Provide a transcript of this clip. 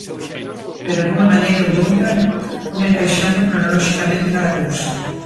Pero dunha maneira ou doutra fun encaixando cronoloxicamente cada cousa.